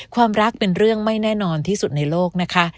ความรักเป็นเรื่องไม่แน่นอนที่สุดในโลกนะคะ